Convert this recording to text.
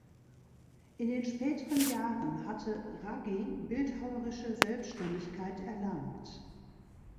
In den späteren Jahren hatte Raggi bildhauerische Selbstständigkeit erlangt.